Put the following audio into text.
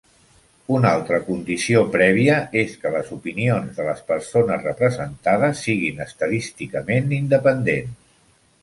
Una altra condició prèvia és que les opinions de les persones representades siguin estadísticament independents.